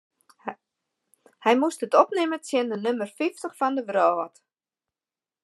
Hy moast it opnimme tsjin de nûmer fyftich fan de wrâld.